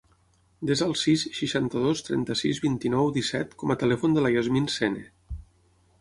Desa el sis, seixanta-dos, trenta-sis, vint-i-nou, disset com a telèfon de la Yasmin Sene.